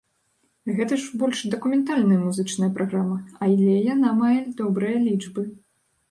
Гэта ж больш дакументальная музычная праграма, але яна мае добрыя лічбы!